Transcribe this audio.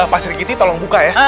pak serikiti tolong buka ya